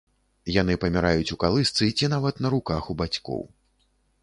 Яны паміраюць у калысцы ці нават на руках у бацькоў.